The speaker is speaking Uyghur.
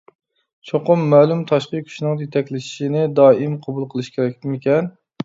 چوقۇم مەلۇم تاشقى كۈچنىڭ يېتەكلىشىنى دائىم قوبۇل قىلىشى كېرەكمىكەن.